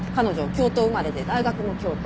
京都生まれで大学も京都。